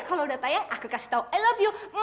kalo udah tayang aku kasih tau i love you